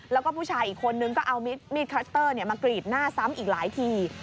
แล้วก็ผู้ชายอีกคนนึงก็เอามีดคลัสเตอร์มากรีดหน้าซ้ำอีกหลายที